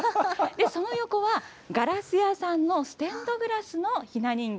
その横は、ガラス屋さんのステンドグラスのひな人形。